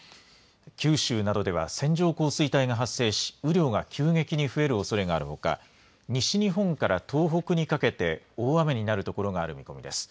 九州などでは線状降水帯が発生し雨量が急激に増えるおそれがあるほか西日本から東北にかけて大雨になるところがある見込みです。